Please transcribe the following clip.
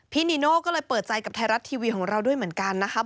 นีโน่ก็เลยเปิดใจกับไทยรัฐทีวีของเราด้วยเหมือนกันนะครับ